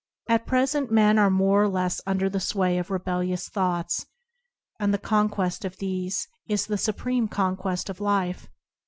At present men are more or less under the sway of rebellious thoughts, and the conquest of these is the supreme conquest of life.